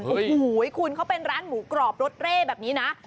โมโหโหไอ้คุณเขาเป็นร้านหมูกรอบรสเต้นแบบนี้น่ะ